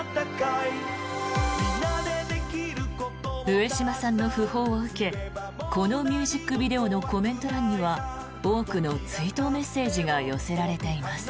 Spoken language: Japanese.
上島さんの訃報を受けこのミュージックビデオのコメント欄には多くの追悼メッセージが寄せられています。